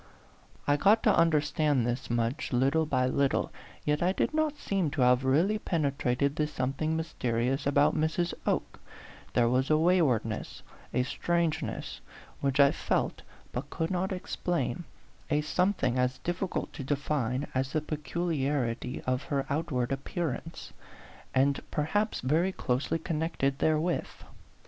I got to understand this much little by little, yet I did not seem to have really pene trated the something mysterious about Mrs. Oke ; there was a waywardness, a strange ness, which I felt but could not explain a something as difficult to define as the pecu liarity of her outward appearance, and per 82 A PHANTOM LOVER haps very closely connected therewith.